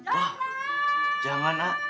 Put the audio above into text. wah jangan a